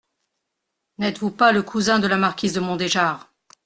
N’êtes-vous pas le cousin de la marquise de Mondéjar !